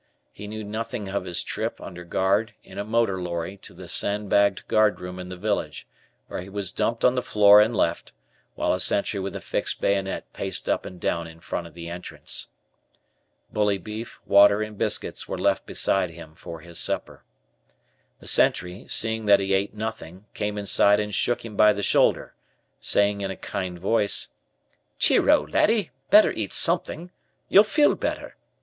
He knew nothing of his trip, under guard, in a motor lorry to the sand bagged guardroom in the village, where he was dumped on the floor and left, while a sentry with a fixed bayonet paced up and down in front of the entrance. Bully beef, water, and biscuits were left beside him for his supper. The sentry, seeing that he ate nothing, came inside and shook him by the shoulder, saying in a kind voice: "Cheero, laddie, better eat something. You'll feel better.